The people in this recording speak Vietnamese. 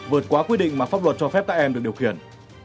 vượt quá quy định mà pháp luật cho phép các em được điều khiển